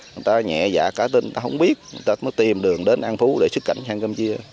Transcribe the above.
người ta nhẹ dạ cả tin người ta không biết người ta mới tìm đường đến an phú để xuất cảnh sang campuchia